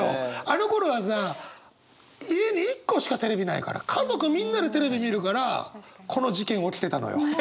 あのころはさ家に一個しかテレビないから家族みんなでテレビ見るからこの事件起きてたのよ。